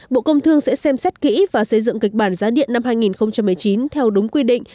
bộ công thương sẽ xem xét kỹ và xây dựng kịch bản giá điện năm hai nghìn một mươi chín theo đúng quy định